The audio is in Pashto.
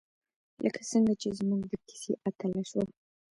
لکه څنګه چې زموږ د کیسې اتله شوه.